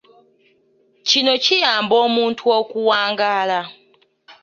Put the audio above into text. Kino kiyamba omuntu okuwangaala.